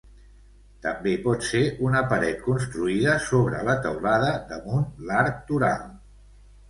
També pot ser una paret construïda sobre la teulada damunt l'arc toral.